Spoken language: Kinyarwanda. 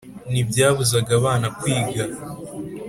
ntibyabuzaga abana kwiga